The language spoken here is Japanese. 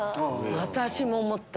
私も思った。